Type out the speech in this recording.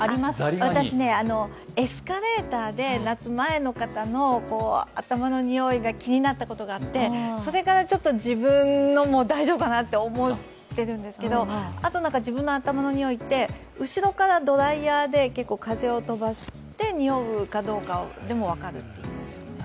私、エスカレーターで夏、前の方の頭のにおいが気になったことがあって、それから自分も大丈夫かなと思っているんですけど、自分の頭の臭いって、後ろからドライヤー結構風を飛ばしてにおうかどうかでも分かるっていいますよね。